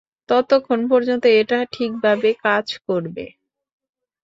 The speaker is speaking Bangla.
ততক্ষণ পর্যন্ত এটা ঠিকভাবে কাজ করবে।